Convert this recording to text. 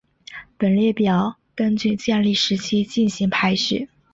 本列表根据建立日期进行排序。